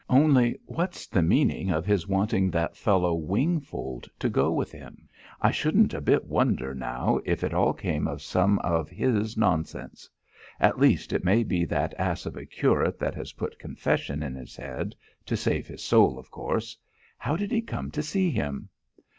Only what's the meaning of his wanting that fellow Wingfold to go with him? I shouldn't a bit wonder now if it all came of some of his nonsense! At least, it may be that ass of a curate that has put confession in his head to save his soul, of course! How did he come to see him?"